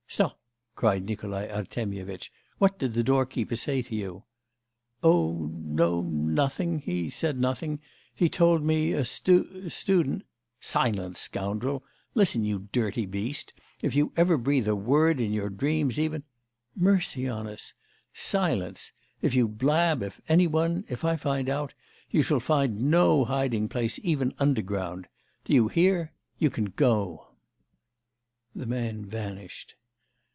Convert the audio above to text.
'Stop!' cried Nikolai Artemyevitch. 'What did the doorkeeper say to you?' 'Oh no nothing he said nothing He told me a stu student ' 'Silence, scoundrel! Listen, you dirty beast; if you ever breathe a word in your dreams even ' 'Mercy on us ' 'Silence! if you blab if any one if I find out you shall find no hiding place even underground! Do you hear? You can go!' The man vanished.